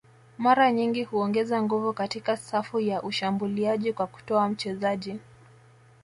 mara nyingi huongeza nguvu katika safu ya ushambuliaji kwa kutoa mchezaji